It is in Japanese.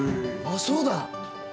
あっそうだ。